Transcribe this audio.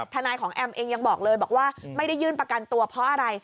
นายของแอมเองยังบอกเลยบอกว่าไม่ได้ยื่นประกันตัวเพราะอะไร